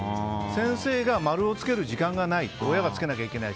先生が丸をつける時間がない親がつけなきゃいけない。